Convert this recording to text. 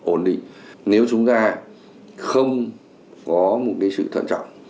ổn định nếu chúng ta không có một sự thận trọng